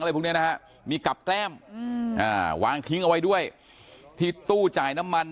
พวกนี้นะฮะมีกับแกล้มวางทิ้งเอาไว้ด้วยที่ตู้จ่ายน้ำมัน